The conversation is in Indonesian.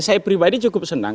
jadi saya pribadi cukup senang